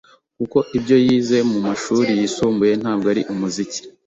kuko ibyo yize mu mashuri yisumbuye ntabwo ari umuziki